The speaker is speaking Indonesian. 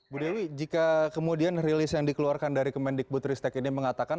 bu dewi jika kemudian rilis yang dikeluarkan dari kemendikbud ristek ini mengatakan